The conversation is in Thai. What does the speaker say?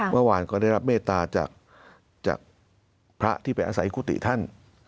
เมื่อวานก็ได้รับเมตตาจากพระที่ไปอาศัยกุฏิท่าน